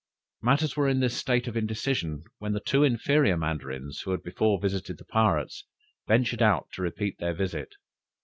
Matters were in this state of indecision, when the two inferior Mandarins who had before visited the pirates, ventured out to repeat their visit.